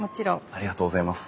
ありがとうございます。